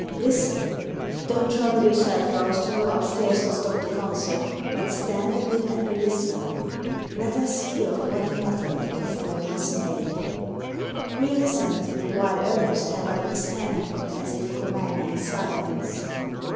Listen I Don't trouble yourself, Rouse, to go up stairs and stop the concert, but stand a bit and listen. Let us hear of what metal the performer's made." We listened the while Ernest held up his hand, as if commanding silence.